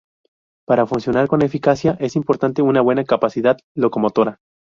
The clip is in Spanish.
Para funcionar con eficacia es importante una buena capacidad locomotora.